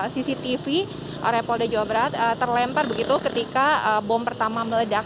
cctv oleh polda jawa barat terlempar begitu ketika bom pertama meledak